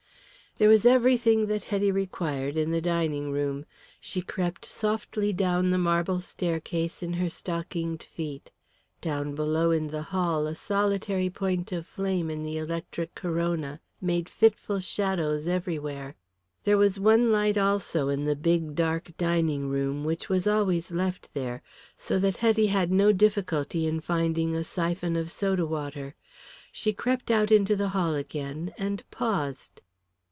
There was everything that Hetty required in the dining room. She crept softly down the marble staircase in her stockinged feet; down below in the hall a solitary point of flame in the electric corona made fitful shadows everywhere. There was one light also in the big, dark, dining room, which was always left there, so that Hetty had no difficulty in finding a syphon of soda water. She crept out into the hall again and paused.